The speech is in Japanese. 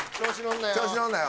調子乗るなよ。